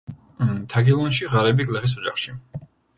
თაგილონში ღარიბი გლეხის ოჯახში.